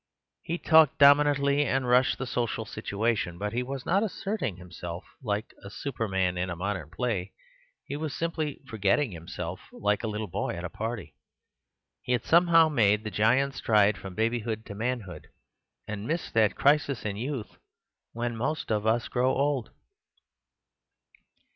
He talked dominantly and rushed the social situation; but he was not asserting himself, like a superman in a modern play. He was simply forgetting himself, like a little boy at a party. He had somehow made the giant stride from babyhood to manhood, and missed that crisis in youth when most of us grow old.